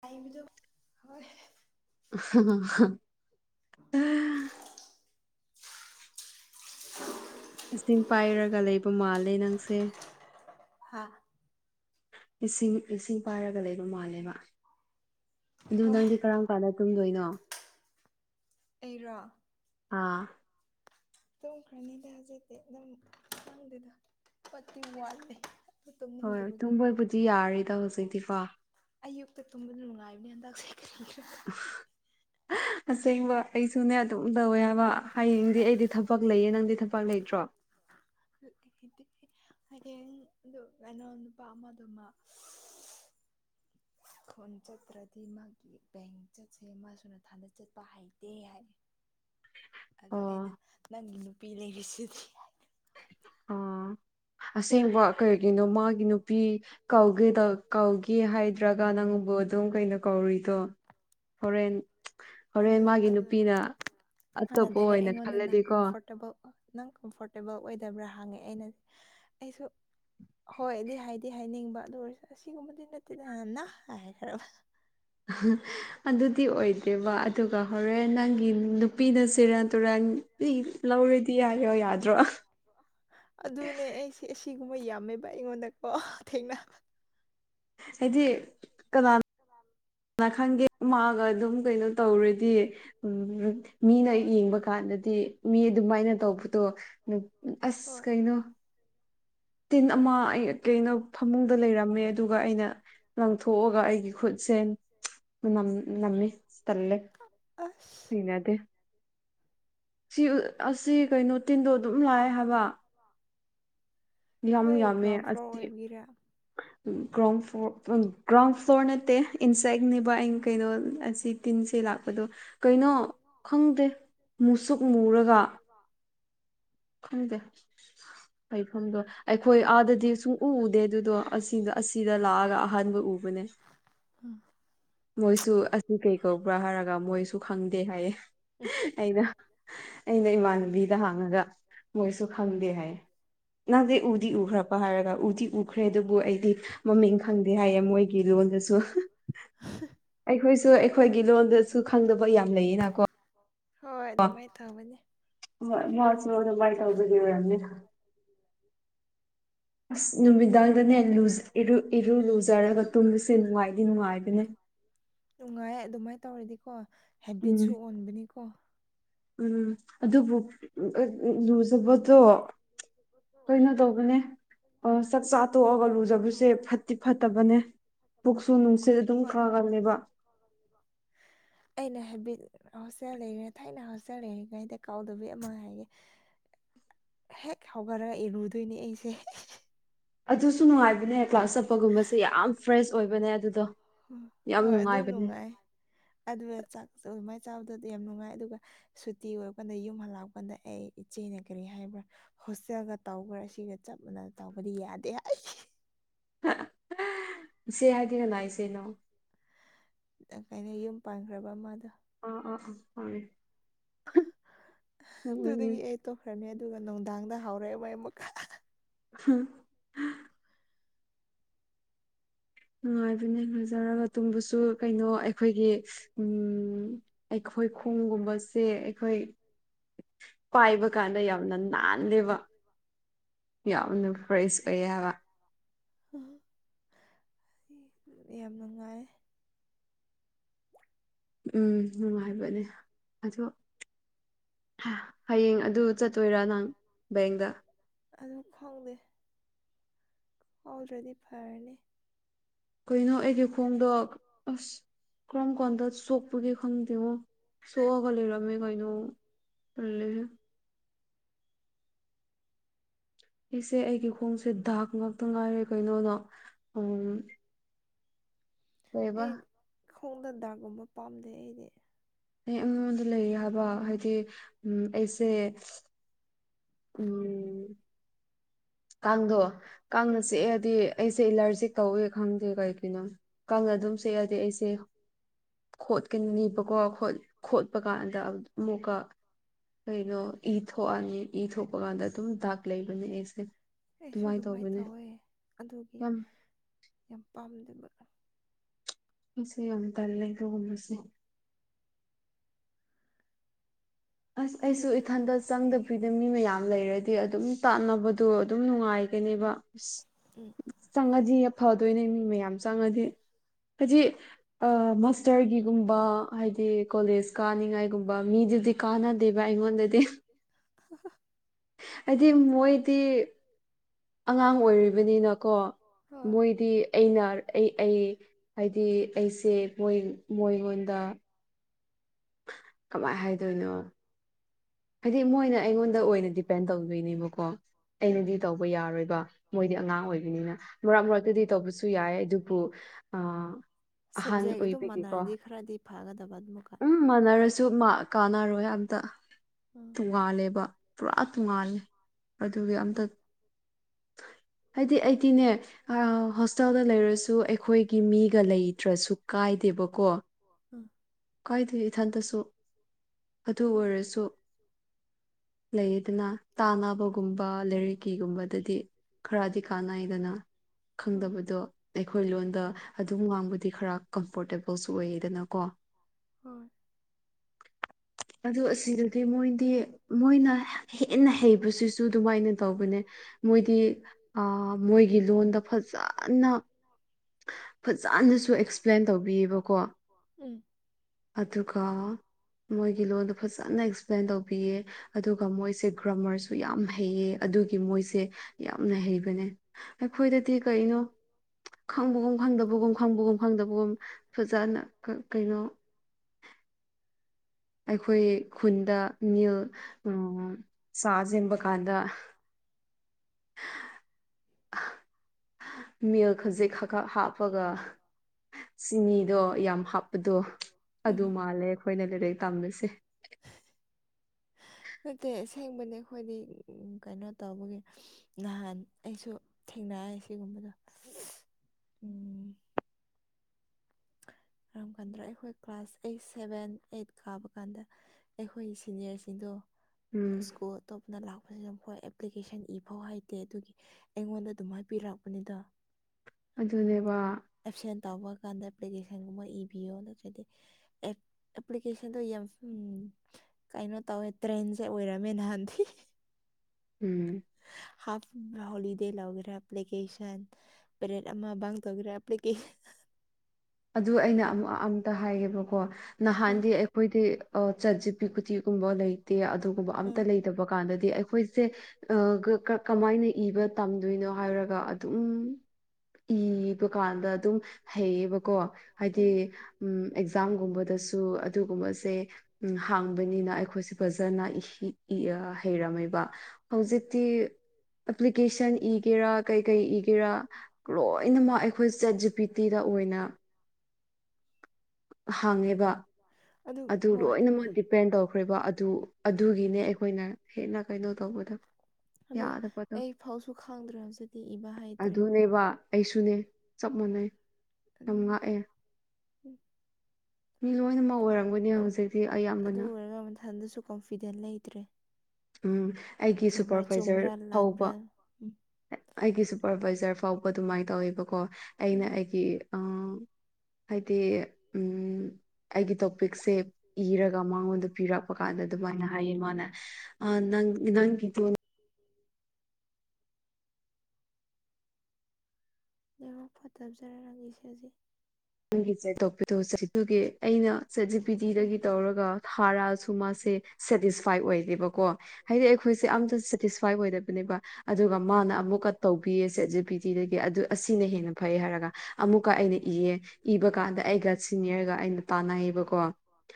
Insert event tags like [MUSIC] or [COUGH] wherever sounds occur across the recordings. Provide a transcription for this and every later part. ꯍꯥꯏꯕꯗꯣ ꯍꯣꯏ ꯑ ꯎꯝ [UNINTELLIGIBLE] ꯏꯁꯤꯡ ꯄꯥꯏꯔꯒ ꯂꯩꯕ ꯃꯥꯜꯂꯦ ꯅꯪꯁꯦ ꯏꯁꯤꯡ ꯏꯁꯤꯡ ꯄꯥꯏꯔꯒ ꯂꯩꯕ ꯃꯥꯜꯂꯦꯕ ꯑꯗꯨ ꯅꯪꯗꯤ ꯀꯔꯝ ꯀꯥꯟꯗ ꯇꯨꯝꯗꯣꯏꯅꯣ ꯑꯥ ꯇꯨꯝꯈ꯭ꯔꯅꯤꯗ ꯍꯧꯖꯤꯛꯇꯤ ꯑꯗꯨꯝ ꯈꯪꯗꯦꯗ ꯋꯥꯠꯇꯤ ꯋꯥꯠꯂꯤ ꯍꯣꯏ ꯇꯨꯝꯕꯣꯏꯕꯨꯗꯤ ꯌꯥꯔꯦꯗ ꯍꯧꯖꯤꯛꯇꯤ ꯀꯣ ꯑꯌꯨꯛꯇ ꯇꯨꯝꯕꯗꯨ ꯅꯨꯡꯉꯥꯏꯕꯅꯤ ꯍꯟꯗꯛꯁꯦ ꯀꯔꯤꯒꯤꯔꯥ ꯑꯁꯦꯡꯕ ꯑꯩꯁꯨꯅꯦ ꯑꯗꯨꯝ ꯇꯧꯋꯦ ꯍꯥꯏꯕ ꯍꯌꯦꯡꯗꯤ ꯑꯩꯗꯤ ꯊꯕꯛ ꯂꯩꯌꯦ ꯅꯪꯗꯤ ꯊꯕꯛ ꯂꯩꯇ꯭ꯔꯣ ꯍꯌꯦꯡ ꯑꯗꯨ ꯀꯩꯅꯣ ꯅꯨꯄꯥ ꯑꯃꯗꯨꯃ ꯈꯨꯟ ꯆꯠꯇ꯭ꯔꯗꯤ ꯃꯥꯒꯤ ꯕꯦꯡ ꯆꯠꯁꯦ ꯃꯥꯁꯨ ꯃꯊꯟꯇ ꯆꯠꯄ ꯍꯩꯇꯦ ꯍꯥꯏ [UNINTELLIGIBLE] ꯑꯗꯨ ꯑꯩꯅ ꯅꯪꯒꯤ ꯅꯨꯄꯤ ꯂꯩꯔꯤꯁꯤꯗꯤ ꯑꯣ ꯑꯁꯦꯡꯕ ꯀꯔꯤꯒꯤꯅꯣ ꯃꯥꯒꯤ ꯅꯨꯄꯤ ꯀꯧꯒꯦ ꯇꯧ ꯀꯧꯒꯦ ꯍꯥꯏꯗ꯭ꯔꯒ ꯅꯪꯕꯨ ꯑꯗꯨꯝ ꯀꯩꯅꯣ ꯀꯧꯔꯤꯗꯣ ꯍꯣꯔꯦꯟ ꯍꯣꯔꯦꯟ ꯃꯥꯒꯤ ꯅꯨꯄꯤꯅ ꯃꯥꯅ ꯗꯥꯏꯔꯦꯛ ꯑꯩꯉꯣꯟꯗꯅ ꯀꯝꯐꯣꯔꯇꯦꯕꯜ ꯑꯣꯏ ꯅꯪ ꯀꯝꯐꯣꯔꯇꯦꯕꯜ ꯑꯣꯏꯗꯕ꯭ꯔꯥ ꯍꯡꯉꯦ ꯑꯩꯅ ꯑꯩꯁꯨ ꯍꯣꯏꯗꯤ ꯍꯥꯏꯗꯤ ꯍꯥꯏꯅꯤꯡꯕ ꯑꯗꯨ ꯑꯣꯏꯔꯁꯨ ꯑꯁꯤꯒꯨꯝꯕꯗꯤ ꯅꯠꯇꯦꯗꯅꯥ ꯍꯥꯏꯈ꯭ꯔꯕ ꯑꯗꯨꯗꯤ ꯑꯣꯏꯗꯦꯕ ꯑꯗꯨꯒ ꯍꯣꯔꯦꯟ ꯅꯪꯒꯤ ꯅꯨꯄꯤꯅ ꯁꯦꯔꯦꯟ ꯇꯨꯔꯟ ꯇꯤ ꯂꯧꯔꯗꯤ ꯌꯥꯏꯔꯣ ꯌꯥꯗ꯭ꯔꯣ ꯑꯗꯨꯅꯦ ꯑꯩꯁꯦ ꯑꯁꯤꯒꯨꯝꯕ ꯌꯥꯝꯃꯦꯕ ꯑꯩꯉꯣꯟꯗꯀꯣ ꯊꯦꯡꯅꯕ ꯍꯥꯏꯗꯤ [UNINTELLIGIBLE] ꯀꯅ ꯈꯪꯒꯦ ꯃꯥꯒ ꯑꯗꯨꯝ ꯀꯩꯅꯣ ꯇꯧꯔꯗꯤ ꯃꯤꯅ ꯌꯦꯡꯕ ꯀꯥꯟꯗꯗꯤ ꯃꯤ ꯑꯗꯨꯃꯥꯏꯅ ꯇꯧꯕꯗꯣ ꯑꯁ ꯀꯩꯅꯣ ꯇꯤꯟ ꯑꯃ ꯑꯩ ꯀꯩꯅꯣ ꯐꯃꯨꯡꯗ ꯂꯩꯔꯝꯃꯦ ꯑꯗꯨꯒ ꯑꯩꯅ ꯂꯪꯊꯣꯛꯑꯒ ꯑꯩꯒꯤ ꯈꯨꯠꯁꯦ ꯃꯅꯝ ꯅꯞꯃꯤ ꯇꯜꯂꯦ ꯍꯩꯅꯗꯦ ꯁꯤ ꯑꯁꯤ ꯀꯩꯅꯣ ꯇꯤꯟꯗꯣ ꯑꯗꯨꯝ ꯂꯥꯛꯑꯦ ꯍꯥꯏꯕ ꯅꯣꯏ ꯒ꯭ꯔꯥꯎꯟ ꯐ꯭ꯂꯣꯔ ꯑꯣꯏꯕꯒꯤꯔꯥ ꯑ [UNINTELLIGIBLE] ꯒ꯭ꯔꯥꯎꯟ ꯐ꯭ꯂꯣꯔ ꯒ꯭ꯔꯥꯎꯟ ꯐ꯭ꯂꯣꯔ ꯅꯠꯇꯦ ꯏꯟꯁꯦꯛꯅꯦꯕ ꯑꯩꯅ ꯀꯩꯅꯣ ꯑꯁꯤ ꯇꯤꯟꯁꯦ ꯂꯥꯛꯄꯗꯣ ꯀꯩꯅꯣ ꯈꯪꯗꯦ ꯃꯨꯁꯨꯛ ꯃꯨꯔꯒ ꯈꯪꯗꯦ ꯄꯩꯐꯝꯗꯣ ꯑꯩꯈꯣꯏ ꯑꯥꯗꯗꯤ ꯁꯨꯡꯎ ꯎꯗꯦ ꯑꯗꯨꯗꯣꯗ ꯑꯁꯤꯗ ꯂꯥꯛꯑꯒ ꯑꯍꯥꯟꯕ ꯎꯕꯅꯦ꯫ ꯎꯝ ꯃꯣꯏꯁꯨ ꯑꯁꯤ ꯀꯩ ꯀꯧꯕ꯭ꯔꯥ ꯍꯥꯏꯔꯒ ꯃꯣꯏꯁꯨ ꯈꯪꯗꯦ ꯍꯥꯏꯌꯦ ꯑꯩꯅ ꯑꯩꯅ ꯏꯃꯥꯟꯅꯕꯤꯗ ꯍꯥꯡꯉꯒ ꯃꯣꯏꯁꯨ ꯈꯪꯗꯦ ꯍꯥꯏ꯫ ꯅꯪꯁꯩ ꯎꯗꯤ ꯎꯈ꯭ꯔꯄ ꯍꯥꯏꯔꯒ ꯎꯗꯤ ꯎꯈ꯭ꯔꯦ ꯑꯗꯨꯕꯨ ꯑꯩꯗꯤ ꯃꯃꯤꯡ ꯈꯪꯗꯦ ꯍꯥꯏꯌꯦ ꯃꯣꯏꯒꯤ ꯂꯣꯟꯗꯁꯨ꯫ [UNINTELLIGIBLE] ꯑꯩꯈꯣꯏꯁꯨ ꯑꯩꯈꯣꯏꯒꯤ ꯂꯣꯟꯗꯁꯨ ꯈꯪꯗꯕ ꯌꯥꯝ ꯂꯩꯌꯦꯅꯀꯣ꯫ ꯍꯣꯏ ꯑꯗꯨꯃꯥꯏ ꯇꯧꯕꯅꯦ꯫ ꯃꯥ ꯃꯥꯁꯨ ꯑꯗꯨꯃꯥꯏ ꯇꯧꯕꯒꯤ ꯑꯣꯏꯔꯝꯅꯤ꯫ ꯑꯁ ꯅꯨꯃꯤꯗꯥꯡꯗꯅꯦ ꯂꯨꯖ ꯏꯔꯨ ꯏꯔꯨ ꯂꯨꯖꯔꯒ ꯇꯨꯝꯕꯁꯦ ꯅꯨꯡꯉꯥꯏꯗꯤ ꯅꯨꯡꯉꯥꯏꯕꯅꯦ꯫ ꯅꯨꯡꯉꯥꯏ ꯑꯗꯨꯃꯥꯏꯅ ꯇꯧꯔꯗꯤꯀꯣ ꯍꯦꯕꯤꯦꯠꯁꯨ ꯑꯣꯟꯕꯅꯤꯀꯣ꯫ ꯎꯝ ꯑꯗꯨꯕꯨ ꯂꯨꯖꯕꯗꯣ ꯀꯩꯅꯣ ꯇꯧꯕꯅꯦ ꯆꯥꯛ ꯆꯥ ꯐꯥꯠꯇꯣꯛꯑꯒ ꯂꯨꯖꯕꯁꯦ ꯐꯠꯇꯤ ꯐꯠꯇꯕꯅꯦ ꯄꯨꯛꯁꯨ ꯅꯨꯡꯁꯤꯠ ꯑꯗꯨꯝ ꯀꯥꯒꯜꯂꯦꯕ꯫ ꯑꯩꯅ ꯍꯥꯏꯕꯤ ꯍꯣꯁꯇꯦꯜ ꯂꯩꯈ꯭ꯔꯦ ꯊꯥꯏꯅ ꯍꯣꯁꯇꯦꯜ ꯂꯩꯔꯤꯉꯩꯗ ꯀꯥꯎꯗꯕꯤ ꯑꯃ ꯍꯥꯏꯒꯦ꯫ ꯍꯦꯛ ꯍꯧꯒꯠꯂꯒ ꯏꯔꯨꯗꯣꯏꯅꯦ ꯑꯩꯁꯦ ꯑꯗꯨꯁꯨ ꯅꯨꯡꯉꯥꯏꯕꯅꯦ ꯀ꯭ꯂꯥꯁ ꯆꯠ ꯒꯨꯝꯕꯁꯦ ꯌꯥꯝ ꯐ꯭ꯔꯦꯁ ꯑꯣꯏꯕꯅꯦ ꯑꯗꯨꯗꯣ ꯌꯥꯝ ꯅꯨꯡꯉꯥꯏꯕꯅꯦ꯫ ꯑꯗꯨꯒ ꯆꯥꯛ ꯑꯗꯨꯃꯥꯏꯅ ꯆꯥꯕꯗꯗꯤ ꯌꯥꯝ ꯅꯨꯡꯉꯥꯏ ꯑꯗꯨꯒ ꯁꯨꯇꯤ ꯑꯣꯏꯕ ꯀꯥꯟꯗ ꯌꯨꯝ ꯍꯜꯂꯛꯄ ꯀꯥꯟꯗ ꯑꯩ ꯏꯆꯦꯅ ꯀꯔꯤ ꯍꯥꯏꯕ꯭ꯔꯥ ꯍꯣꯁꯇꯦꯜꯒ ꯇꯧꯕꯈ꯭ꯔꯥ ꯁꯤꯒ ꯆꯞ ꯃꯥꯟꯅꯅ ꯇꯧꯕꯗꯤ ꯌꯥꯗꯦ ꯍꯥꯏ꯫ ꯏꯆꯦ ꯍꯥꯏꯗꯤ ꯀꯥꯅꯥꯏ ꯏꯆꯦꯅꯣ? ꯀꯥꯏꯅ ꯌꯨꯝ ꯄꯥꯟꯈ꯭ꯔꯕ ꯑꯃꯗꯣ꯫ ꯑꯥ ꯑꯥ ꯑꯥ ꯈꯪꯉꯦ꯫ ꯑꯗꯨꯗꯒꯤ ꯑꯩ ꯇꯣꯛꯈ꯭ꯔꯅꯤ ꯑꯗꯨꯒ ꯅꯨꯡꯗꯥꯡꯗ ꯍꯥꯎꯔꯛꯑꯦ ꯃꯣꯏ ꯑꯃꯨꯛꯀ ꯍꯝ ꯅꯨꯡꯉꯥꯏꯕꯅꯦ ꯂꯨꯖꯔꯒ ꯇꯨꯝꯕꯁꯨ ꯀꯩꯅꯣ ꯑꯩꯈꯣꯏꯒꯤ ꯎꯝ ꯑꯩꯈꯣꯏ ꯈꯣꯡꯒꯨꯝꯕꯁꯦ ꯑꯩꯈꯣꯏ ꯄꯥꯏꯕ ꯀꯥꯟꯗ ꯌꯥꯝꯅ ꯅꯥꯜꯂꯦꯕ ꯌꯥꯝꯅ ꯐ꯭ꯔꯦꯁ ꯑꯣꯏ ꯍꯥꯏꯕ꯫ ꯌꯥꯝ ꯅꯨꯡꯉꯥꯏ ꯎꯝ ꯅꯨꯡꯉꯥꯏꯕꯅꯦ ꯑꯗꯣ ꯍꯌꯦꯡ ꯑꯗꯨ ꯆꯠꯇꯣꯏꯔꯥ ꯅꯪ ꯕꯦꯡꯗ? ꯑꯗꯨ ꯈꯪꯗꯦ ꯈꯣꯡꯗ꯭ꯔꯗꯤ ꯐꯔꯅꯤ ꯀꯩꯅꯣ ꯑꯩꯒꯤ ꯈꯣꯡꯗꯣ ꯑꯁ ꯀꯔꯝ ꯀꯥꯟꯗ ꯁꯣꯛꯄꯒꯦ ꯈꯪꯗꯦꯉꯣ꯫ ꯁꯣ ꯑꯒ ꯂꯩꯔ ꯃꯒꯥꯏꯩꯅꯣ ꯑꯩꯁꯦ ꯑꯩꯒꯤ ꯈꯣꯡꯁꯦ ꯗꯥꯛ ꯉꯥꯛꯇ ꯉꯥꯏꯔꯦ ꯀꯩꯅꯣꯗ ꯑꯩ ꯈꯣꯡꯗ ꯗꯥꯒꯨꯝꯕ ꯄꯥꯝꯗꯦ ꯑꯩꯗꯤ ꯑꯩ ꯑꯩꯉꯣꯟꯗ ꯂꯩ ꯍꯥꯏꯕ ꯍꯥꯏꯗꯤ ꯎꯝ ꯑꯩꯁꯦ ꯎꯝ ꯀꯥꯡꯗꯣ ꯀꯥꯡꯅ ꯆꯤꯛꯑꯦꯗꯤ ꯑꯩꯁꯦ ꯑꯦꯂꯔꯖꯤ ꯇꯧꯋꯦ ꯈꯪꯗꯦ ꯀꯩꯒꯤꯅꯣ ꯀꯥꯡ ꯑꯗꯨꯝ ꯆꯤꯛꯑꯗꯤ ꯑꯩꯁꯦ ꯈꯣꯠꯀꯅꯤꯅꯤꯕꯀꯣ ꯈꯣꯠꯂꯤ ꯈꯣꯠꯄ ꯀꯥꯟꯗ ꯑꯃꯨꯛꯀ ꯀꯩꯅꯣ ꯏ ꯊꯣꯛꯑꯅꯤ ꯏ ꯊꯣꯛꯄ ꯀꯥꯟꯗ ꯑꯗꯨꯝ ꯗꯥꯛ ꯂꯩꯕꯅꯦ ꯑꯩꯁꯦ꯫ ꯑꯩꯁꯨ ꯑꯗꯨꯃꯥꯏꯅ ꯇꯧꯋꯦ ꯑꯗꯨꯒꯤ ꯌꯥꯝ ꯄꯥꯝꯗꯕ꯫ ꯑꯩꯁꯨ ꯌꯥꯝ ꯇꯜꯂꯦ ꯑꯗꯨꯒꯨꯝꯁꯤ꯫ ꯑꯁ ꯑꯩꯁꯨ ꯏꯊꯟꯇ ꯆꯪꯗꯕꯤꯗ ꯃꯤ ꯃꯌꯥꯝ ꯂꯩꯔꯗꯤ ꯑꯗꯨꯝ ꯇꯥꯟꯅꯕꯗꯣ ꯑꯗꯨꯝ ꯅꯨꯡꯉꯥꯏꯒꯅꯦꯕ ꯑꯁ ꯆꯪꯉꯗꯤꯅꯦ ꯐꯗꯣꯏꯅꯦ ꯃꯤ ꯃꯌꯥꯝ ꯆꯪꯉꯗꯤ ꯍꯥꯏꯖꯤꯛ ꯑ ꯃꯥꯁꯇꯔꯒꯤꯒꯨꯝꯕ ꯍꯥꯏꯗꯤ ꯀꯣꯂꯦꯖ ꯀꯥꯅꯤꯡꯉꯥꯏꯒꯨꯝꯕ ꯃꯤꯗꯨꯗꯤ ꯀꯥꯟꯗꯦꯕ ꯏꯉꯣꯟꯗꯗꯤ ꯑꯍꯍꯍ ꯍꯥꯏꯗꯤ ꯃꯣꯏꯗꯤ ꯑꯉꯥꯡ ꯑꯣꯏꯔꯤꯕꯅꯤꯅꯀꯣ ꯃꯣꯏꯗꯤ ꯑꯩꯅ ꯑꯩ ꯑꯩ ꯍꯥꯏꯗꯤ ꯑꯩꯁꯦ ꯃꯣꯏ ꯃꯣꯏꯉꯣꯟꯗ ꯀꯃꯥꯏ ꯍꯥꯏꯗꯣꯏꯅꯣ ꯍꯥꯏꯗꯤ ꯃꯣꯏꯅ ꯑꯩꯉꯣꯟꯗ ꯑꯣꯏꯅ ꯗꯤꯄꯦꯟ ꯇꯧꯗꯣꯏꯅꯦꯕꯀꯣ ꯑꯩꯅꯗꯤ ꯇꯧꯕ ꯌꯥꯔꯣꯏꯕ ꯃꯣꯏꯗꯤ ꯑꯉꯥꯡ ꯑꯣꯏꯕꯅꯤꯅ ꯃꯔꯛ ꯃꯔꯛꯇꯗꯤ ꯇꯧꯕꯁꯨ ꯌꯥꯏ ꯑꯗꯨꯕꯨ ꯑꯥ ꯑꯍꯥꯟꯕ ꯑꯣꯏꯕꯤꯒꯦꯀꯣ ꯎꯝ ꯃꯥꯟꯅꯔꯁꯨ ꯀꯥꯟꯅꯔꯣ ꯌꯥꯝ ꯀꯨꯠꯇ ꯎꯝ ꯇꯣꯉꯥꯜꯂꯦꯕ ꯄꯨꯔꯥ ꯇꯣꯉꯥꯜꯂꯦ ꯑꯗꯨꯒꯤ ꯑꯝꯇ ꯍꯥꯏꯗꯤ ꯑꯩꯗꯤꯅꯦ ꯑ ꯍꯣꯁꯇꯦꯜꯗ ꯂꯩꯔꯁꯨ ꯑꯩꯈꯣꯏꯒꯤ ꯃꯤꯒ ꯂꯩꯇ꯭ꯔꯁꯨ ꯀꯥꯏꯗꯦꯕꯀꯣ ꯑꯥ ꯀꯥꯏꯏꯗ ꯏꯊꯟꯇꯁꯨ ꯑꯗꯨ ꯑꯣꯏꯔꯁꯨ ꯂꯩ ꯑꯗꯨꯅ ꯇꯥꯅꯕꯒꯨꯝꯕ ꯂꯥꯏꯔꯛꯀꯤꯒꯨꯝꯕꯗꯗꯤ ꯈꯔꯗꯤ ꯀꯥꯟꯅꯏꯗꯅ ꯈꯪꯗꯕꯗꯣ ꯑꯩꯈꯣꯏ ꯂꯣꯟꯗ ꯑꯗꯨꯝ ꯉꯥꯡꯕꯗꯤ ꯈꯔ ꯀꯝꯐꯣꯔꯇꯦꯕꯜꯁꯨ ꯑꯣꯏꯌꯦꯗꯅꯀꯣ ꯍꯣꯏ ꯑ ꯁꯤꯗꯗꯤ ꯃꯣꯏꯗꯤ ꯃꯣꯏꯅ ꯍꯦꯟꯅ ꯍꯩꯕꯁꯤꯁꯨ ꯑꯗꯨꯃꯥꯏꯅ ꯇꯧꯕꯅꯦ ꯃꯣꯏꯗꯤ ꯑ ꯃꯣꯏꯒꯤ ꯂꯣꯟꯗ ꯐꯖꯅ ꯐꯖꯅꯁꯨ ꯑꯦꯛꯁꯄ꯭ꯂꯦꯟ ꯇꯧꯕꯤꯌꯦꯕꯀꯣ ꯑꯗꯨꯒ ꯃꯣꯏꯒꯤ ꯂꯣꯟꯗꯣ ꯐꯖꯅ ꯑꯦꯛꯁꯄ꯭ꯂꯦꯟ ꯇꯧꯕꯤꯌꯦ ꯑꯗꯨꯒ ꯃꯣꯏꯁꯦ ꯒ꯭ꯔꯃꯔꯁꯨ ꯌꯥꯝ ꯍꯩꯌꯦ ꯑꯗꯨꯒꯤ ꯃꯣꯏꯁꯦ ꯌꯥꯝꯅ ꯍꯩꯕꯅꯦ ꯑꯩꯈꯣꯏꯗꯗꯤ ꯀꯩꯅꯣ ꯪꯕꯒꯨꯝ ꯈꯪꯗꯕꯒꯨꯝ ꯈꯪꯕꯒꯨꯝ ꯈꯪꯗꯕꯒꯨꯝ ꯐꯖꯅ ꯀꯩꯅꯣ ꯑꯩꯈꯣꯏ ꯈꯨꯟꯗ ꯅꯤꯜ ꯑꯝ ꯆꯥ ꯖꯦꯝꯕ ꯀꯥꯟꯗ ꯃ ꯈꯖꯤꯛ ꯈꯛ ꯈꯛ ꯍꯥꯞꯄꯒ ꯆꯤꯅꯤꯗꯣ ꯌꯥꯝ ꯍꯥꯞꯄꯗꯣ ꯑꯗꯨ ꯃꯥꯜꯂꯦ ꯑꯩꯈꯣꯏꯅ ꯂꯥꯏꯔꯤꯛ ꯇꯃꯤꯁꯦ ꯅꯠꯇꯦ ꯑꯁꯦꯡꯕꯅꯦ ꯑꯩꯈꯣꯏꯗꯤ ꯎ ꯀꯩꯅꯣ ꯇꯧꯕꯒꯤ ꯅꯍꯥꯟ ꯑꯩꯁꯨ ꯊꯦꯡꯅꯔꯦ ꯁꯤꯒꯨꯝꯕꯗꯣ ꯎꯝ ꯀꯔꯝ ꯀꯥꯟꯗ꯭ꯔ ꯑꯩꯈꯣꯏ ꯀ꯭ꯂꯥꯁ ꯑꯩꯠ ꯁꯚꯦꯟ ꯑꯩꯠ ꯀꯥꯕ ꯀꯥꯟꯗ ꯑꯩꯈꯣꯏꯒꯤ ꯁꯦꯅꯤꯌꯔꯁꯤꯡꯗꯣ ꯁꯀꯨꯜ ꯑꯇꯣꯞꯅ ꯂꯥꯛꯄꯁꯤꯗ ꯃꯈꯣꯏ ꯑꯦꯄ꯭ꯂꯤꯀꯦꯁꯟ ꯏꯐꯧ ꯍꯥꯏꯇꯦ ꯑꯗꯨꯒꯤ ꯑꯩꯉꯣꯟꯗ ꯑꯗꯨꯃꯥꯏꯅ ꯄꯤꯔꯛꯄꯅꯤꯗꯣ ꯑꯗꯨꯅꯦꯕ ꯑꯦꯞꯁꯦꯟ ꯇꯧꯕ ꯀꯥꯟꯗ ꯀꯦꯁꯟꯒꯨꯝꯕ ꯏꯕꯤꯌꯣ ꯅꯠꯇ꯭ꯔꯗꯤ ꯑꯦꯛ ꯑꯦꯄ꯭ꯦꯁꯟꯗꯣ ꯌꯥꯝ ꯑꯝ ꯀꯩꯅꯣ ꯇꯧꯋꯦ ꯇ꯭ꯔꯦꯟꯁꯦ ꯑꯣꯏꯔꯝꯃꯤꯅꯍꯥꯟꯗꯤ ꯎꯝ ꯍꯥꯐ ꯍꯣꯂꯤꯗꯦ ꯂꯒꯔꯥ ꯑꯦꯄꯂꯤꯀꯦꯁꯟ ꯄꯦꯔꯦꯠ ꯑꯃ ꯑꯥꯡ ꯇꯧꯒꯔꯦ ꯑꯕꯗꯒꯤ ꯑꯗꯨ ꯑꯩꯅ ꯑꯃꯨꯇ ꯍꯥꯏꯒꯕꯀꯣ ꯅꯍꯥꯟꯗꯤ ꯑꯩꯈꯣꯏꯗꯤ ꯑ ꯆꯦꯠ ꯖꯤ ꯄꯤ ꯇꯤ ꯒꯨꯝꯕ ꯂꯩꯇꯦ ꯑꯗꯨꯒꯨꯝꯕ ꯑꯝꯇ ꯂꯩꯇꯦ ꯀꯗꯧꯕ ꯀꯥꯟꯗꯗꯤ ꯑꯩꯈꯣꯏꯁꯦ ꯀꯃꯥꯏꯅ ꯏꯕ ꯇꯝꯗꯣꯏꯅꯣ ꯍꯥꯏ ꯑꯗꯨꯝ ꯏꯕ ꯀꯥꯟꯗ ꯑꯗꯨꯝ ꯍꯩꯕ ꯀꯣ ꯍꯥꯏꯗꯤ ꯎꯝ ꯑꯦꯛꯖꯥꯝꯒꯨꯝꯕꯗꯁꯨ ꯑꯗꯨꯒꯨꯝꯕꯁꯦ ꯎꯝ ꯍꯥꯡꯕꯅꯤꯅ ꯑꯩꯈꯣꯏꯁꯦ ꯐꯖꯅ ꯏ ꯏ ꯏ ꯍꯩꯔꯝꯃꯦꯕ ꯍꯧꯖꯤꯛꯇꯤ ꯑꯦꯄ꯭ꯂꯤꯀꯦꯁꯟ ꯏꯒꯦꯔꯥ ꯀꯩꯀꯩ ꯏꯒꯦꯔꯥ ꯂꯣꯏꯅꯃꯛ ꯑꯩꯈꯣꯏ ꯁꯦꯠ ꯖꯤ ꯄꯤ ꯇꯤꯗ ꯑꯣꯏꯅ ꯍꯥꯡꯉꯦꯕ ꯑꯗꯨ ꯂꯣꯏꯅꯃꯛ ꯗꯤꯄꯦꯟ ꯇꯧꯈ꯭ꯔꯦꯔꯕ ꯑꯗꯨ ꯑꯗꯨꯒꯤꯅꯦ ꯑꯩꯈꯣꯏꯅ ꯍꯦꯟꯅ ꯀꯩꯅꯣ ꯇꯧꯕ ꯑ ꯑꯩ ꯐꯥꯎꯁꯨ ꯈꯥꯡꯗ꯭ꯔ ꯍꯧꯖꯤꯗꯤ ꯏꯕ ꯍꯩꯇ꯭ꯔꯦ ꯀꯩꯕ ꯑꯩꯁꯨꯅꯦ ꯆꯞ ꯃꯥꯟꯅꯩ ꯀꯩꯅꯒꯤ ꯎꯝ ꯃꯤ ꯂꯣꯏꯅꯃꯛ ꯑꯣꯏꯔꯝꯒꯅꯦ ꯍꯧꯖꯤꯛꯇꯤ ꯑꯌꯥꯝꯕꯅ [UNINTELLIGIBLE] ꯀꯣꯟꯐꯤꯗꯦꯟ ꯂꯩꯇ꯭ꯔꯦ ꯎꯝ ꯑꯩꯒꯤ ꯁꯨꯄꯔꯚꯥꯏꯖꯔ ꯐꯥꯎꯕ ꯑꯩꯒꯤ ꯁꯨꯄꯔꯚꯥꯏꯖꯔ ꯐꯥꯎꯕ ꯑꯗꯨꯃꯥꯏꯅ ꯇꯧꯋꯦꯕꯀꯣ ꯑꯩꯅ ꯑꯩꯒꯤ ꯑ ꯍꯥꯏꯗꯤ ꯑꯝ ꯑꯩꯒꯤ ꯇꯣꯄꯤꯛꯁꯦ ꯏꯔꯒ ꯃꯉꯣꯟꯗ ꯄꯤꯔꯛꯄ ꯀꯥꯟꯗ ꯑꯗꯨꯃꯥꯏꯅ ꯍꯥꯏꯌꯦ ꯃꯥꯅ ꯑ ꯅꯪ ꯅꯪꯒꯤꯗꯣ [INAUDIBLE] [UNINTELLIGIBLE] ꯅꯪꯒꯤ ꯆ ꯑꯗꯨꯒꯤ ꯑꯩꯅ ꯁꯠ ꯖꯤ ꯄꯤ ꯤꯗꯒꯤ ꯇꯧꯔꯒ ꯊꯔꯛꯑꯁꯨ ꯃꯥꯁꯦ ꯁꯦꯇꯤꯁꯐꯥꯏ ꯑꯣꯏꯔꯦꯕꯀꯣ ꯍꯥꯏꯗꯤ ꯑꯩꯈꯣꯏꯁꯦ ꯑꯝꯇ ꯁꯦꯇꯤꯁꯐꯥꯏ ꯑꯣꯏꯗꯕꯅꯦꯕ ꯑꯗꯨꯒ ꯃꯥꯅ ꯑꯃꯨꯛꯀ ꯇꯧꯕꯤꯌꯦꯁꯦ ꯖꯦ ꯄꯤ ꯇꯤꯗꯒꯤ ꯑꯗꯨ ꯑꯁꯤꯅ ꯍꯦꯟꯅ ꯐꯩ ꯍꯥꯏꯔꯒ ꯑꯃꯨꯛꯀ ꯑꯩꯅ ꯏꯌꯦ ꯏꯕ ꯀꯥꯟꯗ ꯑꯩꯒ ꯁꯤꯅꯤꯌꯔꯒ ꯑꯩꯅ ꯇꯥꯟꯅꯩꯌꯦꯕꯀꯣ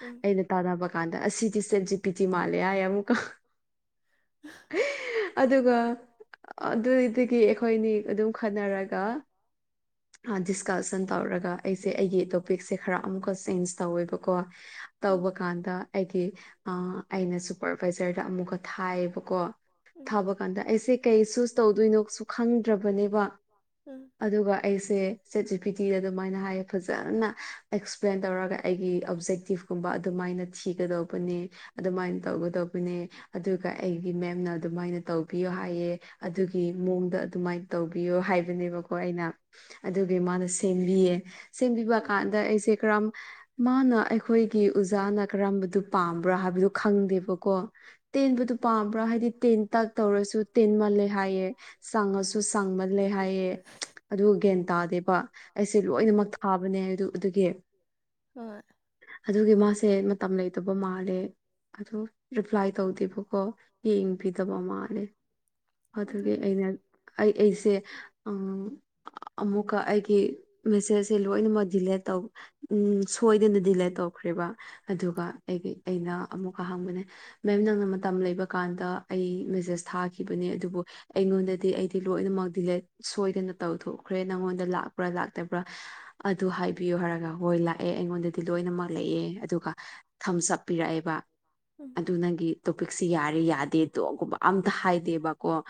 ꯎꯝ ꯑꯩꯅ ꯇꯥꯟꯅꯕ ꯀꯥꯟꯗ ꯑꯁꯤꯗꯤ ꯁꯦꯟꯖꯤꯦ ꯄꯤꯆꯤ ꯃꯥꯜꯂꯦ ꯍꯥꯏ ꯑꯃꯨꯛꯀ ꯑꯗꯨꯒ ꯑꯗꯨꯏꯗꯒꯤ ꯑꯩꯈꯣꯏꯅꯤ ꯑꯗꯨꯝ ꯈꯟꯅꯔꯒ ꯗꯤꯁꯀꯁꯟ ꯇꯧꯔꯒ ꯑꯩꯁꯦ ꯑꯩꯒꯤ ꯇꯣꯄꯤꯛꯁꯦ ꯈꯔ ꯑꯃꯨꯛꯀ ꯆꯦꯟꯖ ꯇꯧꯋꯦꯕꯀꯣ ꯇꯧꯕ ꯀꯥꯟꯗ ꯑꯩꯒꯤ ꯑꯩꯅ ꯁꯨꯄꯔꯚꯥꯏꯖꯔꯗ ꯑꯃꯨꯛꯀ ꯊꯥꯏꯌꯦꯕꯀꯣ ꯊꯥꯕ ꯀꯥꯟꯗ ꯑꯩꯁꯦ ꯀꯩ ꯆꯨꯁ ꯇꯧꯗꯣꯏꯅꯣꯁꯨ ꯈꯪꯗ꯭ꯔꯕꯅꯦꯕ ꯑꯗꯨꯒ ꯑꯩꯁꯦ ꯁꯦꯠꯆꯦ ꯐꯤꯊꯤꯗ ꯑꯗꯨꯃꯥꯏꯅ ꯍꯥꯏ ꯑꯩ ꯐꯖꯅ ꯑꯦꯛꯁꯄ꯭ꯂꯦꯟ ꯇꯧꯔꯒ ꯑꯩꯒꯤ ꯑꯣꯞꯖꯦꯛꯇꯤꯞꯀꯨꯝꯕ ꯑꯗꯨꯃꯥꯏꯅ ꯊꯤꯒꯗꯧꯕꯅꯤ ꯑꯗꯨꯃꯥꯏꯅ ꯇꯧꯒꯗꯧꯕꯅꯦ ꯑꯗꯨꯒ ꯑꯩꯒꯤ ꯃꯦꯝꯅ ꯑꯗꯨꯃꯥꯏꯅ ꯇꯧꯕꯤꯌꯣ ꯍꯥꯏꯌꯦ ꯑꯗꯨꯒꯤ ꯃꯑꯣꯡꯗ ꯑꯗꯨꯃꯥꯏꯅ ꯇꯧꯕꯤꯌꯣ ꯍꯥꯏꯕꯅꯦꯕꯀꯣ ꯑꯩꯅ ꯃꯥꯅ ꯁꯦꯝꯕꯤꯌꯦ ꯁꯦꯝꯕꯤꯕ ꯀꯥꯟꯗ ꯑꯩꯁꯦ ꯀꯔꯝ ꯃꯥꯅ ꯑꯩꯈꯣꯏꯒꯤ ꯑꯣꯖꯥꯅ ꯀꯔꯝꯕꯗꯨ ꯄꯥꯝꯕ꯭ꯔꯥ ꯍꯥꯏꯕꯗꯨ ꯈꯪꯗꯦꯕꯀꯣ ꯇꯦꯟꯕꯗꯨ ꯄꯥꯝꯕ꯭ꯔꯥ ꯍꯥꯏꯗꯤ ꯇꯦꯟꯇꯛ ꯇꯧꯔꯁꯨ ꯇꯤꯟꯃꯜꯂꯦ ꯍꯥꯏꯑ ꯆꯪꯉꯁꯨ ꯁꯪꯃꯜꯂꯦ ꯍꯥꯏꯌꯦꯦ ꯑꯗꯨ ꯒ꯭ꯌꯥꯟ ꯇꯥꯗꯦꯕ ꯑꯩꯁꯦ ꯂꯣꯏꯅꯃꯛ ꯊꯥꯕꯅꯦ ꯑꯗꯨ ꯑꯗꯨꯒꯤ ꯑꯗꯨꯒꯤ ꯃꯥꯁꯦ ꯃꯇꯝ ꯂꯩꯇꯕ ꯃꯥꯜꯂꯦ ꯑ ꯔꯤꯄ꯭ꯂꯥꯏ ꯇꯧꯗꯦꯕꯀꯣ ꯌꯦꯡꯕꯤꯗꯕ ꯃꯥꯜꯂꯦ ꯑꯗꯨꯒꯤ ꯑꯩꯅ ꯑꯩ ꯑꯩꯁꯦ ꯑ ꯑꯃꯨꯛꯀ ꯑꯩꯒꯤ ꯃꯦꯁꯦꯁꯁꯦ ꯂꯣꯏꯅꯃꯛ ꯗꯤꯂꯦꯠ ꯇꯧ ꯎ ꯁꯣꯏꯗꯅ ꯗꯤꯂꯦꯠ ꯇꯧꯈ꯭ꯔꯦꯔꯤꯕ ꯑꯗꯨꯒ ꯑꯩꯒꯤ ꯑꯩꯅ ꯑꯃꯨꯛꯀ ꯍꯪꯕꯅꯦ ꯃꯦꯝ ꯅꯪꯅ ꯃꯇꯝ ꯂꯩꯕꯀꯥꯟꯗ ꯑꯩ ꯃꯦꯁꯦꯁ ꯊꯥꯈꯤꯕꯅꯦ ꯑꯗꯨꯕꯨ ꯑꯩꯉꯣꯟꯗꯗꯤ ꯑꯩꯗꯤ ꯂꯣꯏꯅꯃꯛ ꯗꯤꯂꯦꯠ ꯁꯣꯏꯗꯅ ꯇꯧꯊꯣꯛꯈ꯭ꯔꯦ ꯅꯪꯉꯣꯟꯗ ꯂꯥꯛꯄ꯭ꯔꯥ ꯄꯨꯔ ꯑꯗꯨ ꯍꯥꯏꯕꯤꯌꯨ ꯍꯥꯏꯔꯒ ꯍꯣꯏ ꯂꯥꯛꯑꯦ ꯑꯩꯉꯣꯟꯗꯗꯤ ꯂꯣꯏꯅꯃꯛ ꯂꯩꯑꯦ ꯑꯗꯨꯒ ꯊꯝ ꯆꯠꯄꯤꯔꯛꯑꯦꯕ ꯑꯗꯨꯒꯤ ꯇꯣꯄꯤꯛꯁꯦ ꯌꯥꯔꯦ ꯌꯥꯗꯦꯗꯣꯒꯨꯝꯕ ꯑꯝꯇ ꯍꯥꯏꯗꯦꯕꯀꯣ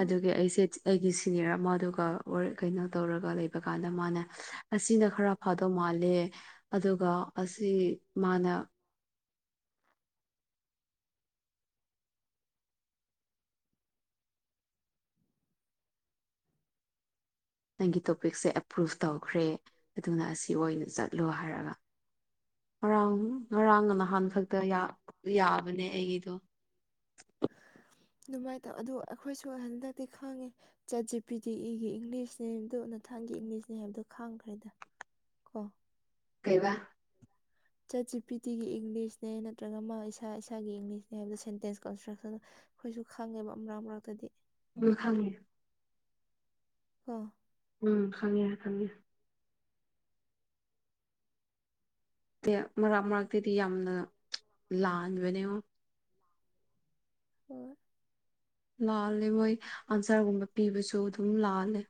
ꯑꯗꯨꯒꯤ ꯑꯩꯁꯦ ꯑꯩꯒꯤ ꯁꯤꯅꯤꯌꯔ ꯑꯃꯗꯨꯒ ꯀꯩꯅꯣ ꯇꯧꯔꯒ ꯂꯩꯕ ꯀꯥꯟꯗ ꯃꯥꯅꯦ ꯑꯁꯤꯅ ꯈꯔ ꯐꯥꯗꯧ ꯃꯥꯜꯂꯦ ꯑꯗꯨꯒ ꯑꯁꯤ ꯃꯥꯅ ꯑ ꯅꯪꯒꯤ ꯇꯣꯄꯤꯛꯁꯦ ꯑꯦꯄ꯭ꯔꯨꯚ ꯇꯧꯈ꯭ꯔꯦ ꯑꯗꯨꯅ ꯑꯁꯤ ꯑꯣꯏꯅ ꯆꯠꯂꯣ ꯍꯥꯏꯔꯒ ꯉꯔꯥꯡ ꯉꯔꯥꯡꯅ ꯅꯍꯥꯟ ꯈꯛꯇ ꯌꯥꯕꯅꯦ ꯑꯩꯒꯤꯗꯣ [INAUDIBLE] ꯑꯗꯨꯃꯥꯏꯅ ꯇꯧ ꯑꯗꯨꯗ ꯑꯩꯈꯣꯏꯁꯨ ꯍꯟꯗꯛꯇꯤ ꯈꯥꯡꯉꯦ ꯆꯠꯁꯤꯄꯤꯤꯗꯤ ꯏꯒꯤ ꯏꯪꯂꯤꯁꯅꯦꯗꯣ ꯅꯊꯥꯟꯒꯤ ꯏꯪꯂꯤꯁꯅꯦ ꯍꯥꯏꯕꯗꯣ ꯈꯥꯡꯈ꯭ꯔꯦꯗ ꯀꯩ ꯋꯥ ꯆꯠꯁꯤ ꯄꯤ ꯇꯤꯒꯤ ꯏꯪꯂꯤꯁꯅꯦ ꯅꯠꯇ꯭ꯔꯒ ꯃꯥ ꯏꯁꯥ ꯏꯁꯥꯒꯤ ꯏꯪꯂꯤꯁꯅꯦ ꯍꯥꯏꯕꯗ ꯁꯦꯟꯇꯦꯟꯁ ꯀꯟꯁꯇ꯭ꯔꯛꯁꯟꯗꯣ ꯑꯩꯈꯣꯏꯁꯨ ꯈꯪꯉꯦꯕ ꯑꯃꯔꯛ ꯃꯔꯛꯇꯗꯤ ꯎꯝ ꯐꯪꯦ ꯀꯥ ꯎꯝ ꯈꯪꯉꯦ ꯈꯪꯉꯦ ꯃꯔꯛ ꯃꯔꯛꯇꯤꯗꯤ ꯌꯥꯝꯅ ꯂꯥꯟꯕꯅꯦ ꯍ ꯂꯥꯛꯑꯂꯦ ꯃꯣꯏ ꯑꯟꯁꯔꯒꯨꯝꯕ ꯄꯤꯕꯁꯨ ꯑꯗꯨꯝ ꯂꯥꯛꯑꯂꯦ